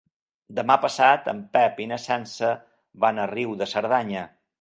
Demà passat en Pep i na Sança van a Riu de Cerdanya.